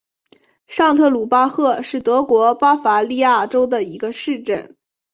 上特鲁巴赫是德国巴伐利亚州的一个市镇。